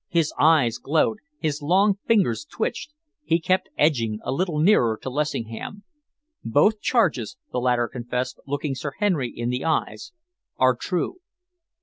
His eyes glowed. His long fingers twitched. He kept edging a little nearer to Lessingham. "Both charges," the latter confessed, looking Sir Henry in the eyes, "are true."